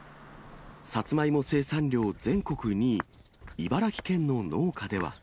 さつまいも生産量全国２位、茨城県の農家では。